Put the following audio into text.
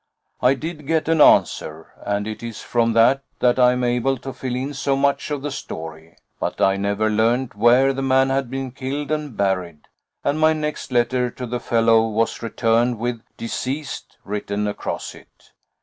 I did get an answer, and it is from that that I am able to fill in so much of the story. But I never learned where the man had been killed and buried, and my next letter to the fellow was returned with 'Deceased' written across it.